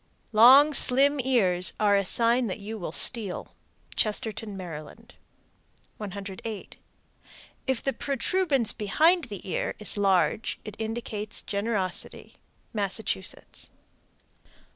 Long, slim ears are a sign that you will steal. Chestertown, Md. 108. If the protuberance behind the ear is large, it indicates generosity. _Massachusetts.